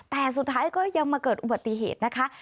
แต่สุดท้ายก็ยังมาเกิดอุบัติเหตุนะคะ